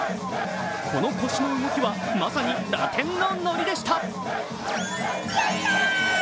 この腰の動きはまさにラテンのノリでした。